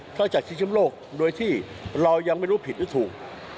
ก็จะชิดข้ำโลกโดยที่เรายังไม่รู้ผิดหรือถูก